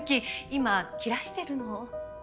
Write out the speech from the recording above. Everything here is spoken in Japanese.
今切らしてるの。